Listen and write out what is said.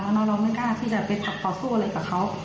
แล้วเราไม่กล้าที่จะไปต่อสู้อะไรกับเขา